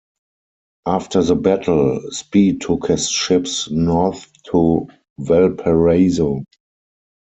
After the battle, Spee took his ships north to Valparaiso.